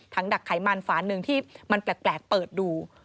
ดักไขมันฝาหนึ่งที่มันแปลกเปิดดู